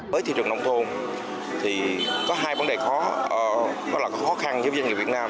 với thị trường nông thôn thì có hai vấn đề khó khăn cho doanh nghiệp việt nam